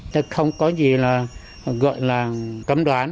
thì không có gì là gọi là cấm đoán